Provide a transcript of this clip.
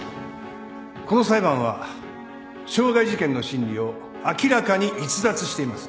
この裁判は傷害事件の審理を明らかに逸脱しています。